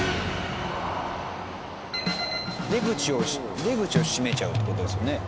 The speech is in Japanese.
出口を出口を閉めちゃうって事ですよね。